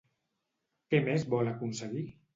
Què més vol aconseguir?